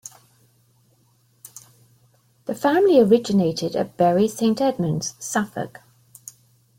The family originated at Bury Saint Edmunds, Suffolk.